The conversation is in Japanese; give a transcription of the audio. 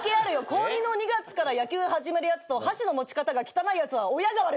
高２の２月から野球始めるやつと箸の持ち方が汚いやつは親が悪い。